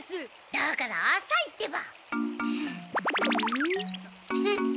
だから浅いってば。